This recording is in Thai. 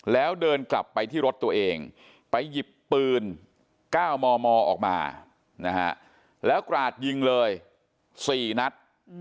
แล้วเดินกลับไปที่รถตัวเองไปหยิบปืน๙มมออกมานะฮะแล้วกราดยิงเลย๔นัด